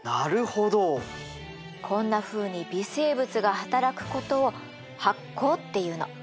こんなふうに微生物が働くことを発酵っていうの。